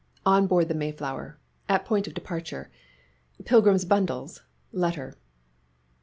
"ON BOARD THE 'MAYFLOWER' AT POINT OF DEPARTURE." Pilgrims' bundles, letter.